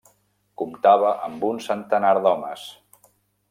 Comptava amb un centenar d'homes.